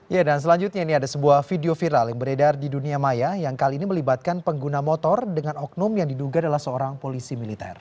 ya dan selanjutnya ini ada sebuah video viral yang beredar di dunia maya yang kali ini melibatkan pengguna motor dengan oknum yang diduga adalah seorang polisi militer